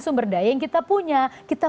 sumber daya yang kita punya kita